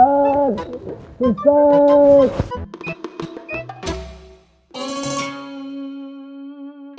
yang beri uang kepadanya